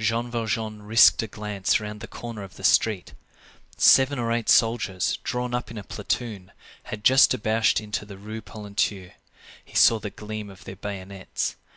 Jean Valjean risked a glance round the corner of the street. Seven or eight soldiers, drawn up in a platoon, had just debouched into the Rue Polonceau. He saw the gleam of their bayonets.